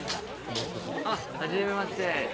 あっはじめまして。